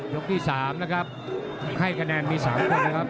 ที่๓นะครับให้คะแนนมี๓คนนะครับ